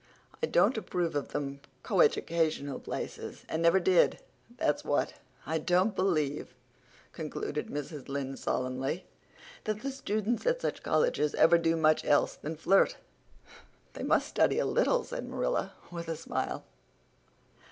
I don't approve of them coeducational places and never did, that's what. I don't believe," concluded Mrs. Lynde solemnly, "that the students at such colleges ever do much else than flirt." "They must study a little," said Marilla, with a smile.